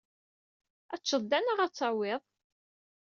Ad t-teččeḍ da neɣ ad t-tawiḍ?